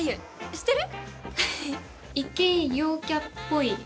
知ってる？